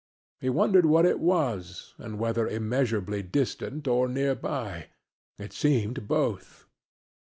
He wondered what it was, and whether immeasurably distant or near by it seemed both.